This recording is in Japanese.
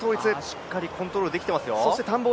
しっかりコントロールできていますよ。